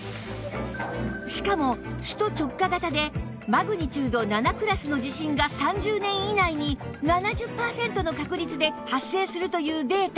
しかも首都直下型でマグニチュード７クラスの地震が３０年以内に７０パーセントの確率で発生するというデータも